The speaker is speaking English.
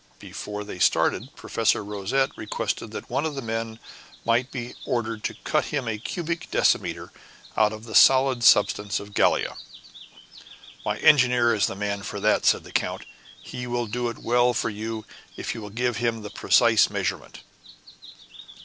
Before they started, Professor Rosette requested that one of the men might be ordered to cut him a cubic decimeter out of the solid substance of Gallia. "My engineer is the man for that," said the count; "he will do it well for you if you will give him the precise measurement."